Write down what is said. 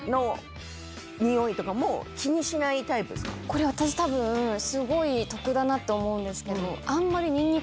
これ私たぶんすごい得だなと思うんですけど。